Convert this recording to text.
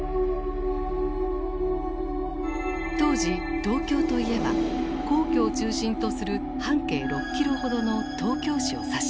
当時東京といえば皇居を中心とする半径６キロほどの東京市を指した。